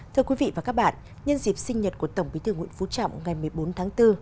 thưa quý vị và các bạn nhân dịp sinh nhật của tổng bí thư nguyễn phú trọng ngày một mươi bốn tháng bốn